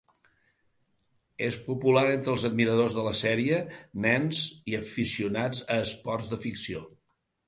És popular entre els admiradors de la sèrie, nens i aficionats a esports de ficció.